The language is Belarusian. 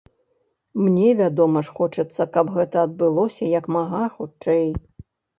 Мне, вядома ж, хочацца, каб гэта адбылося як мага хутчэй.